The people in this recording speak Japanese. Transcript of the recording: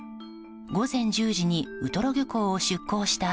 午前１０時にウトロ漁港を出港した